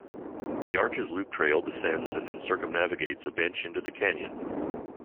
The arches loop trail descends and then circumnavigates a bench into the canyon.